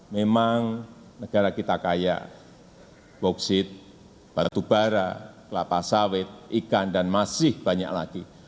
memang negara kita kaya bauksit batubara kelapa sawit ikan dan masih banyak lagi